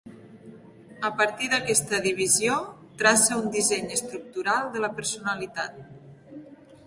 A partir d'aquesta divisió, traça un disseny estructural de la personalitat.